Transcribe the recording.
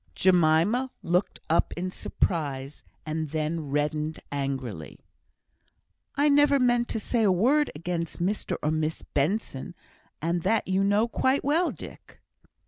Jemima looked up in surprise; and then reddened angrily. "I never meant to say a word against Mr or Miss Benson, and that you know quite well, Dick."